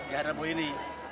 gak ada bu ini